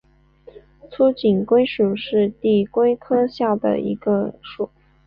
粗颈龟属是地龟科下的一个属。